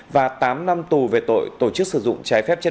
và tám năm tù về tội tổ chức sử dụng trái phép